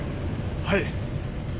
はい。